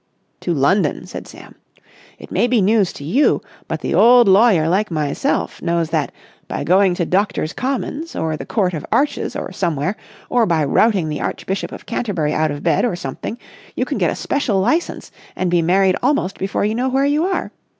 "To London," said Sam. "It may be news to you but the old lawyer like myself knows that, by going to Doctors' Commons or the Court of Arches or somewhere or by routing the Archbishop of Canterbury out of bed or something, you can get a special licence and be married almost before you know where you are.